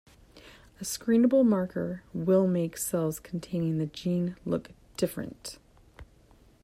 A screenable marker will make cells containing the gene look different.